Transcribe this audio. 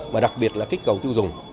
mà đặc biệt là kích cầu tiêu dùng